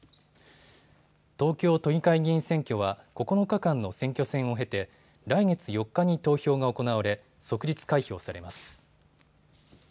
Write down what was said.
東京都議会議員選挙は９日間の選挙戦を経て来月４日に投票が行われ、即日開票されます。